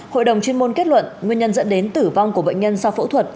hội đồng chuyên môn kết luận nguyên nhân dẫn đến tử vong của bệnh nhân sau phẫu thuật